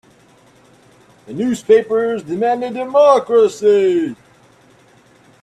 The newspapers demanded democracy.